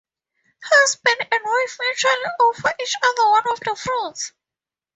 Husband and wife mutually offer each other one of the fruits.